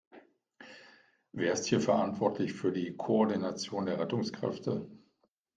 Wer ist hier verantwortlich für die Koordination der Rettungskräfte?